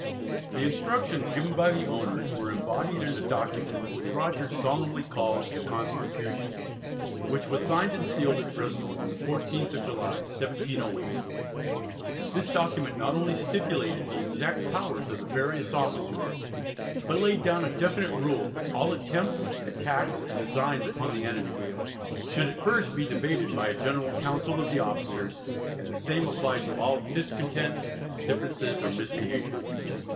The instructions given by the owners were embodied in a document, which Rogers solemnly calls the "Constitution," which was signed and sealed at Bristol on the 14th of July, 1708. This document not only stipulated the exact powers of the various officers, but laid down a definite rule that "all attempts, attacks, and designs upon the enemy" should at first be debated by a general council of the officers, and the same applied to all "discontents, differences, or misbehaviour."